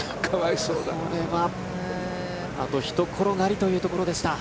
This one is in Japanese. あとひと転がりというところでした。